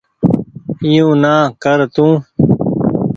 اي يو نا ڪر تو